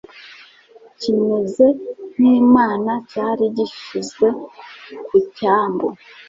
kimeze nk'imana cyari gishyizwe ku cyambu